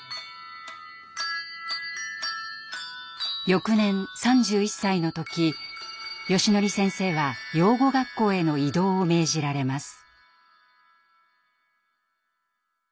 翌年３１歳の時よしのり先生は養護学校への異動を命じられます。